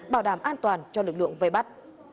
bảo đảm an toàn cho lực lượng vây bắt